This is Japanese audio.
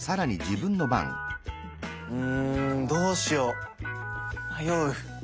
うんどうしよう迷う。